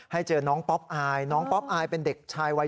เจอน้องป๊อปอายน้องป๊อปอายเป็นเด็กชายวัย